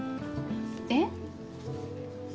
えっ？